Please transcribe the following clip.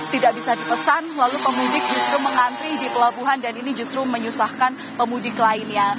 tidak bisa dipesan lalu pemudik justru mengantri di pelabuhan dan ini justru menyusahkan pemudik lainnya